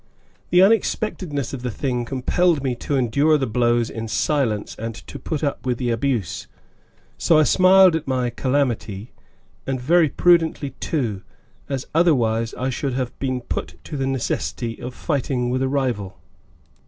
(The unexpectedness of the thing compelled me to endure the blows in silence and to put up with the abuse, so I smiled at my calamity, and very prudently, too, as otherwise I should have been put to the necessity of fighting with a rival.